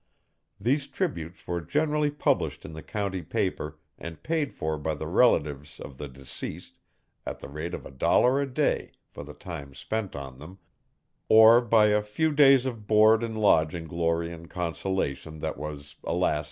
These tributes were generally published in the county paper and paid for by the relatives of the deceased at the rate of a dollar a day for the time spent on them, or by a few days of board and lodging glory and consolation that was, alas!